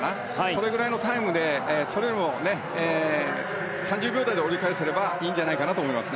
それくらいのタイムでそれよりも３０秒台で折り返せばいいんじゃないかなと思います。